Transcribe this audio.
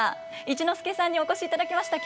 一之輔さんにお越しいただきました。